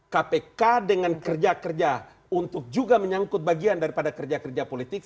kpk dengan kerja kerja untuk juga menyangkut bagian daripada kerja kerja politik